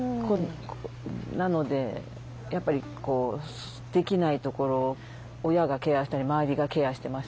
なのでやっぱりできないところを親がケアしたり周りがケアしてますよね。